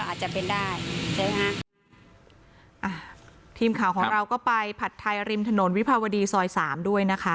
อาจจะเป็นได้ใช่ไหมฮะอ่ะทีมข่าวของเราก็ไปผัดไทยริมถนนวิภาวดีซอยสามด้วยนะคะ